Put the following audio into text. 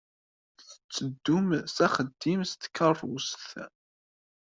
Tetteddum s axeddim s tkeṛṛust.